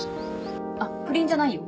あっ不倫じゃないよ